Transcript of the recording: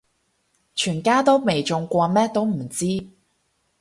全家都未中過咩都唔知